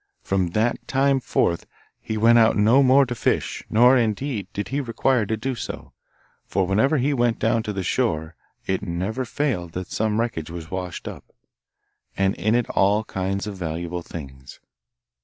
From that time forth he went out no more to fish; nor, indeed, did he require to do so, for whenever he went down to the shore it never failed that some wreckage was washed up, and in it all kinds of valuable things.